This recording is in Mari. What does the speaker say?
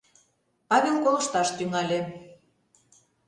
Павел колышташ тӱҥале.